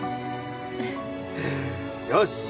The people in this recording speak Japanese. よし。